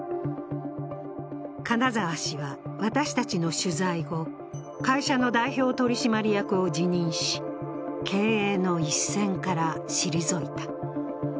金沢氏は私たちの取材後、会社の代表取締役を辞任し、経営の一線から退いた。